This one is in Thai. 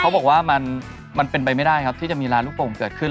เขาบอกว่ามันเป็นไปไม่ได้ครับที่จะมีร้านลูกโป่งเกิดขึ้น